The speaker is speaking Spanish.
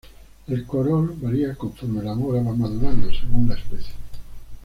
El color varía conforme la mora va madurando, según la especie.